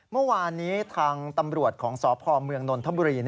เมื่อวานนี้ทางตำรวจของสพเมืองนนทบุรี